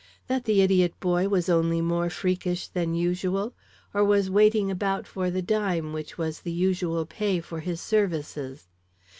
That the idiot boy was only more freakish than usual, or was waiting about for the dime which was the usual pay for his services.